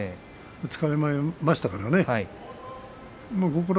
つかまえましたからね。